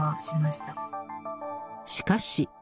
しかし。